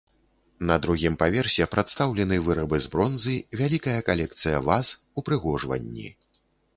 На другім паверсе прадстаўлены вырабы з бронзы, вялікая калекцыя ваз, упрыгожванні.